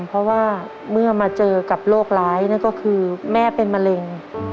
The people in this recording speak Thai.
เพราะว่าเมื่อมาเจอกับโรคร้ายนั่นก็คือแม่เป็นมะเร็ง